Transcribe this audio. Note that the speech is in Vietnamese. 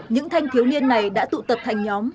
những thanh thiếu niên này đã tụ tập thành nhóm